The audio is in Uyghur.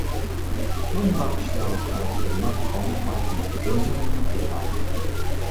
بۇنداق ئىشلارغا قاراپ تۇرماي قانۇن ئارقىلىق ئۆزىڭىزنى قوغداڭ!